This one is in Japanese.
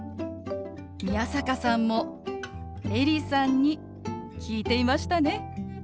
宮坂さんもエリさんに聞いていましたね。